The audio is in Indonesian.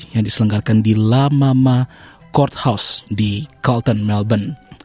yang diselenggarakan di la mama courthouse di colton melbourne